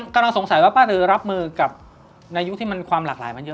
กำลังสงสัยว่าป้าลือรับมือกับในยุคที่มันความหลากหลายมันเยอะ